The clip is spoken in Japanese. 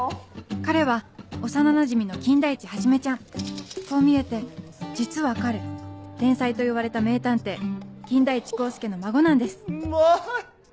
彼は幼なじみの金田一一ちゃんこう見えて実は彼天才といわれた名探偵金田一耕助の孫なんですうまぁい！